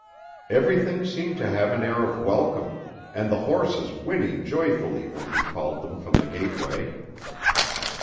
Everything seemed to have an air of welcome, and the horses whinnied joyfully when he called them from the gateway.